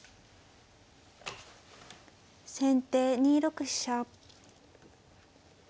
先手２六飛車。